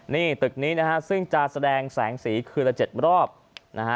นี่ตึกนี้นะฮะซึ่งจะแสดงแสงสีคืนละ๗รอบนะฮะ